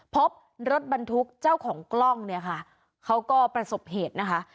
พบรถบรรทุกเจ้าของกล้องเนี่ยค่ะเขาก็ประสบเหตุนะคะ